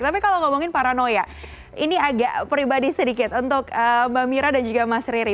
tapi kalau ngomongin paranoya ini agak pribadi sedikit untuk mbak mira dan juga mas riri